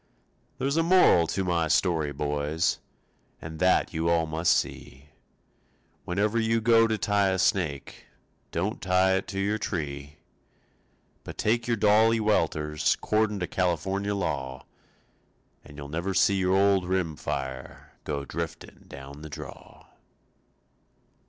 There's a moral to my story, boys, And that you all must see. Whenever you go to tie a snake, Don't tie it to your tree; But take your dolly welters 'Cordin' to California law, And you'll never see your old rim fire Go drifting down the draw.